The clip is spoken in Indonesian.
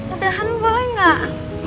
udahan boleh gak